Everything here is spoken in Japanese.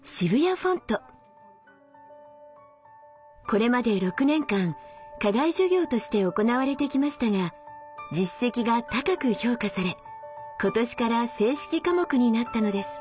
これまで６年間課外授業として行われてきましたが実績が高く評価され今年から正式科目になったのです。